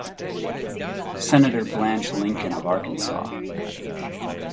Senator Blanche Lincoln of Arkansas.